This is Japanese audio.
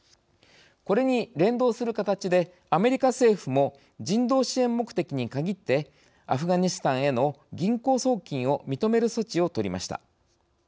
これに連動する形でアメリカ政府も人道支援目的にかぎってアフガニスタンへの銀行送金を認める措置を取りました。